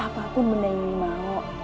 apapun benda yang ini mau akan aku berikan nih